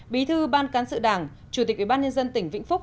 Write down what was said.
bí thư ban cán sự đảng chủ tịch ubnd tỉnh vĩnh phúc